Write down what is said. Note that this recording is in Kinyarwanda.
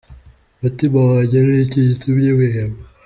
Mutima wanjye ni iki gitumye wiheba?